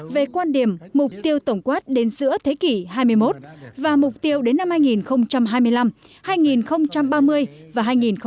về quan điểm mục tiêu tổng quát đến giữa thế kỷ hai mươi một và mục tiêu đến năm hai nghìn hai mươi năm hai nghìn ba mươi và hai nghìn bốn mươi năm